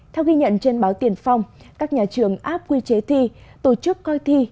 theo ghi nhận trên báo tiền phong các nhà trường áp quy chế thi tổ chức coi thi